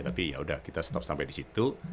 tapi yaudah kita stop sampai di situ